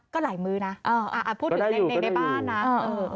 ก็หลายมือนะเออเออพูดถึงในในในบ้านนะเออเออ